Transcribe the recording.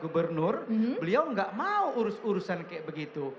beliau tidak mau urus urusan seperti itu